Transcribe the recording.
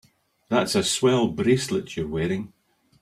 That's a swell bracelet you're wearing.